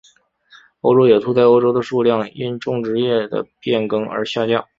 欧洲野兔在欧洲的数量因种植业的变更而下降。